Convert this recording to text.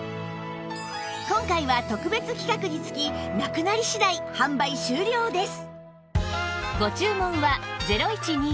今回は特別企画につきなくなり次第販売終了です